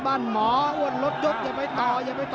บ้านหมออ้วนรถยกอย่าไปต่ออย่าไปต่อ